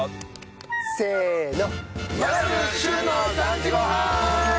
せーの。